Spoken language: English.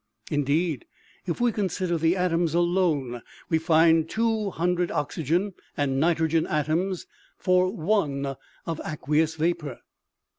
Indeed, if we consider the atoms alone, we find two hundred oxygen and nitrogen atoms for OMEGA. 101 one of aqueous vapor.